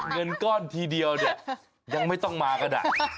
เงินก้อนทีเดียวเนี่ยยังไม่ต้องมาก็ได้